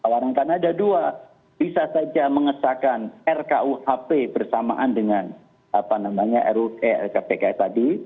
walaupun ada dua bisa saja mengesahkan rkuhp bersamaan dengan apa namanya ru eh kpk tadi